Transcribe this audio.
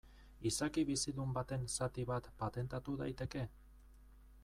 Izaki bizidun baten zatia bat patentatu daiteke?